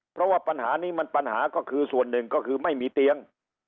เพราะว่าปัญหานี้มันปัญหาก็คือส่วนหนึ่งก็คือไม่มีเตียง